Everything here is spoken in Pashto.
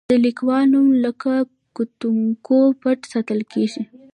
د لیکوال نوم له کتونکو پټ ساتل کیږي.